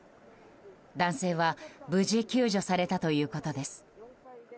男性は無事救助されたということです。